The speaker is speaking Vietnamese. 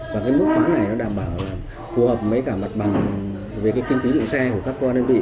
và mức khoán này đảm bảo phù hợp với mặt bằng kinh tế dụng xe của các đơn vị